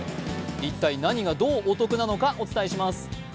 一体、何がどうお得なのか、お伝えします。